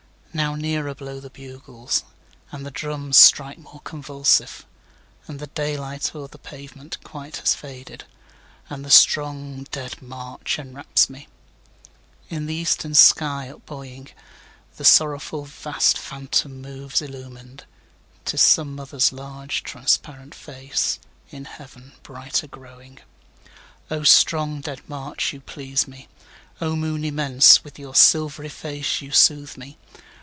6Now nearer blow the bugles, And the drums strike more convulsive; And the day light o'er the pavement quite has faded, And the strong dead march enwraps me.7In the eastern sky up buoying, The sorrowful vast phantom moves illumin'd;('Tis some mother's large, transparent face, In heaven brighter growing.)8O strong dead march, you please me!O moon immense, with your silvery face you soothe me!